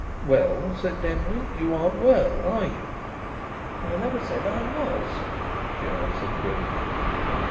"Well," said Denry, "you aren't well, are you?" "I never said I was," she answered grimly.